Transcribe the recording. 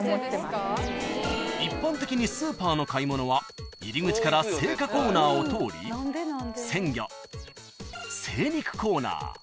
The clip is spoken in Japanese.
［一般的にスーパーの買い物は入り口から青果コーナーを通り鮮魚精肉コーナー］